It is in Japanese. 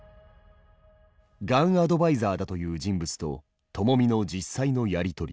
“がんアドバイザー”だという人物とともみの実際のやり取り。